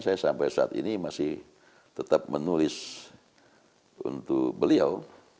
saya sampai saat ini masih tetap menulis untuk beliau